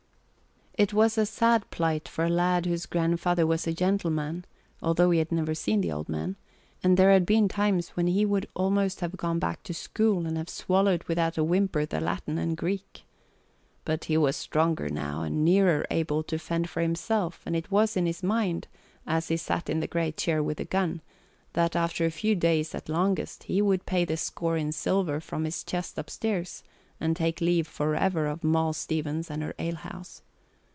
It was a sad plight for a lad whose grandfather was a gentleman (although he had never seen the old man), and there had been times when he would almost have gone back to school and have swallowed without a whimper the Latin and Greek. But he was stronger now and nearer able to fend for himself and it was in his mind, as he sat in the great chair with the gun, that after a few days at longest he would pay the score in silver from his chest upstairs, and take leave for ever of Moll Stevens and her alehouse.